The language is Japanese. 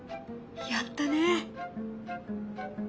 やったね。